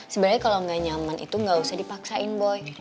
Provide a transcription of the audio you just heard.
sebenarnya kalau nggak nyaman itu nggak usah dipaksain boy